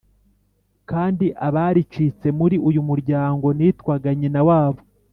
Kandi abaricitse Muri uyu muryango Nitwaga nyina wabo